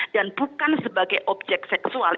dan bukan sebagai objek seksual